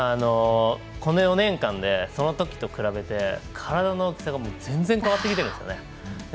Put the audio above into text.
この４年間でそのときと比べて体の大きさが全然、変わってきてるんです。